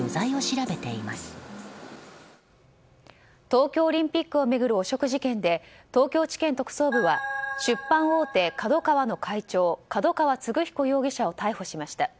東京オリンピックを巡る汚職事件で東京地検特捜部は出版大手ＫＡＤＯＫＡＷＡの会長角川歴彦容疑者を逮捕しました。